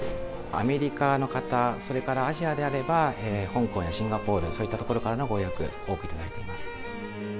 アメリカの方、それからアジアであれば香港やシンガポール、そういったところからのご予約、多く頂いています。